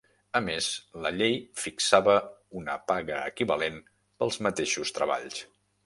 A més, la llei fixava una paga equivalent pels mateixos treballs.